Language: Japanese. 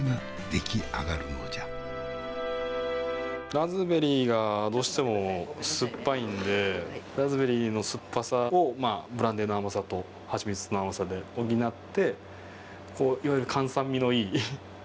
ラズベリーがどうしても酸っぱいんでラズベリーの酸っぱさをブランデーの甘さとはちみつの甘さで補っていわゆる甘酸味のいい。